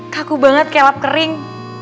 kaku banget kelap kering